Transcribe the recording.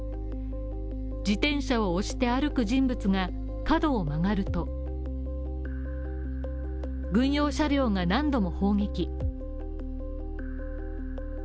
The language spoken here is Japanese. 自転車を押して歩く人物が角を曲がると軍用車両が何度も砲撃。